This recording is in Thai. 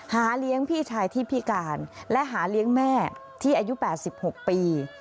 หาเลี้ยงพี่ชายที่พิการและหาเลี้ยงแม่ที่อายุ๘๖ปี